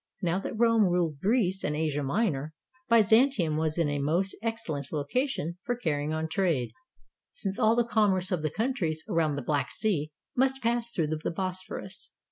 Now that Rome ruled Greece and Asia Minor, Byzantium was in a most excellent location for carrying on trade, since all the commerce of the countries around the Black Sea must pass through the Bosphorus.